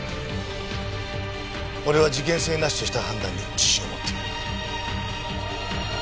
俺は事件性なしとした判断に自信を持っている。